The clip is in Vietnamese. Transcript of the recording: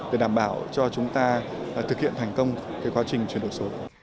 để đảm bảo cho chúng ta thực hiện thành công quá trình chuyển đổi số